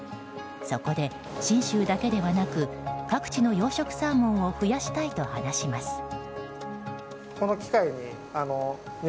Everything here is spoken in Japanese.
そこで、信州だけではなく各地の養殖サーモンを増やしたいと話します。